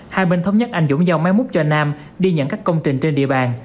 hai bên thống nhất anh dũng giao máy múc cho nam đi nhận các công trình trên địa bàn